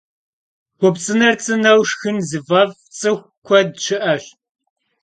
Xupts'ıner ts'ıneu şşxın zıf'ef' ts'ıxu kued şı'eş.